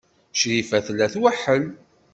Crifa tella tweḥḥel.